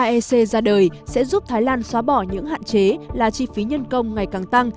eec ra đời sẽ giúp thái lan xóa bỏ những hạn chế là chi phí nhân công ngày càng tăng